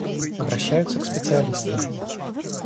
Обращаются к специалистам.